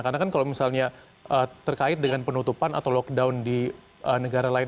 karena kan kalau misalnya terkait dengan penutupan atau lockdown di negara lain